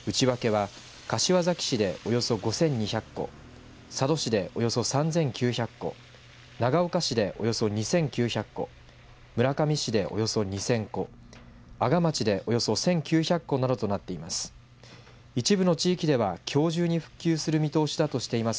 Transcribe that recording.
内訳は柏崎市でおよそ５２００戸佐渡市で、およそ３９００戸長岡市で、およそ２９００戸村上市でおよそ２０００戸阿賀町で、およそ１９００戸などとなっています。